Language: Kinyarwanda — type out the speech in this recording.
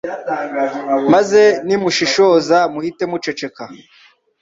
Maze nimushishoza muhite muceceka